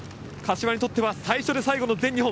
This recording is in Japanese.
柏にとっては最初で最後の全日本。